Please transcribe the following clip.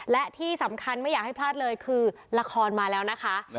และที่สำคัญไม่อยากให้พลาดเลยคือละครมาแล้วนะคะ